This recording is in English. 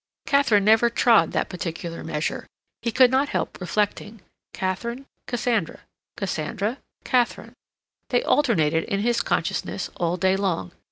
Katharine never trod that particular measure, he could not help reflecting; Katharine—Cassandra; Cassandra—Katharine—they alternated in his consciousness all day long.